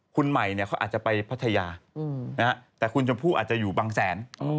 คุณใหม่เนี่ยเขาอาจจะไปพัทยาแต่คุณชมพู่อาจจะอยู่บางแสน